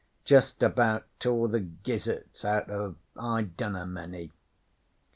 Justabout tore the gizzards out of I dunnamany.